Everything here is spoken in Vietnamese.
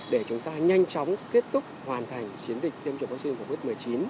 để chúng ta nhanh chóng kết thúc hoàn thành chiến dịch tiêm chủng vaccine phòng huyết một mươi chín